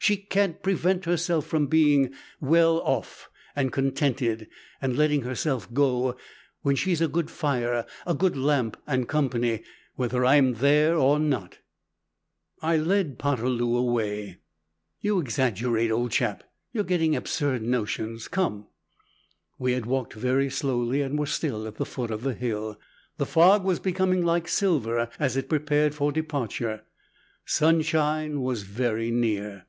She can't prevent herself from being; well off, and contented, and letting herself go, when she's a good fire, a good lamp, and company, whether I'm there or not " I led Poterloo away: "You exaggerate, old chap; you're getting absurd notions, come." We had walked very slowly and were still at the foot of the hill. The fog was becoming like silver as it prepared for departure. Sunshine was very near.